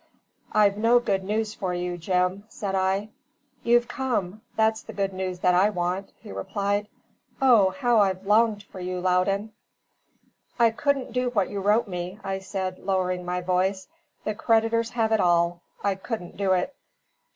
"I've no good news for you, Jim!" said I. "You've come that's the good news that I want," he replied. "O, how I've longed for you, Loudon!" "I couldn't do what you wrote me," I said, lowering my voice. "The creditors have it all. I couldn't do it."